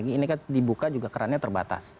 lagi lagi ini kan dibuka juga kerannya terbatas